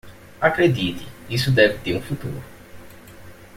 Acredite, isso deve ter um futuro